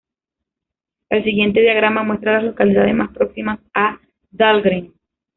El siguiente diagrama muestra a las localidades más próximas a Dahlgren.